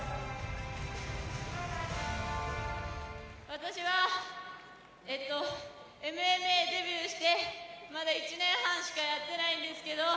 私はＭＭＡデビューしてまだ１年半しかやってないんですけど